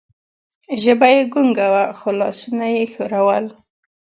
ژبه یې ګونګه وه، خو لاسونه یې ښورول.